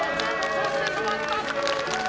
そして止まった！